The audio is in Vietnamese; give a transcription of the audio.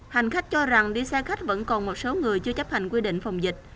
hành khách cho rằng đi xe khách vẫn còn một số người chưa chấp hành quy định phòng dịch